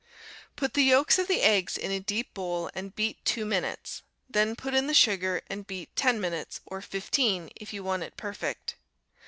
Put the yolks of the eggs in a deep bowl and beat two minutes; then put in the sugar, and beat ten minutes, or fifteen, if you want it perfect.